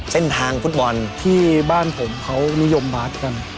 เส้นทางฟุตบอลที่บ้านผมเขานิยมบาสกัน